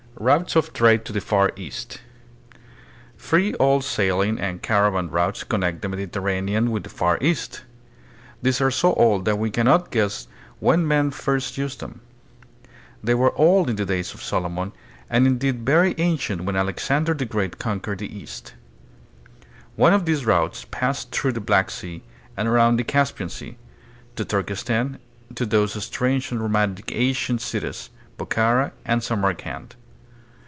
Routes of Trade to the Far East. Three old sail ing and caravan routes connect the Mediterranean with the Far East. They are so old that we can not guess when men first used them. They were old in the days of Solomon and indeed very ancient when Alexander the 52 THE PHILIPPINES. Great conquered the East. One of these routes passed through the Black Sea, and around the Caspian Sea, to Turkestan to those strange and romantic ancient cities, Bokhara and Samarkand.